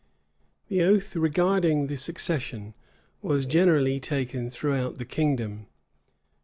[*] The oath regarding the succession was generally taken throughout the kingdom.